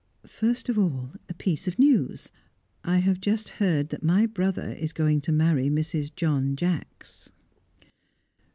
First of all, a piece of news. I have just heard that my brother is going to marry Mrs. John Jacks."